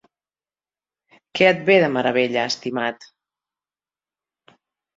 Què et ve de meravella, estimat?